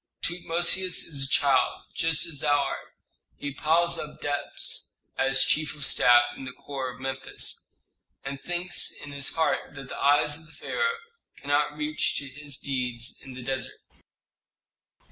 "Tutmosis is a child, just as thou art. He piles up debts as chief of staff in the corps of Memphis, and thinks in his heart that the eyes of the pharaoh cannot reach to his deeds in the desert."